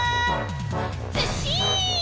ずっしん！